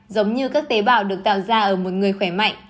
giống như các tế bào được tạo ra ở một người khỏe mạnh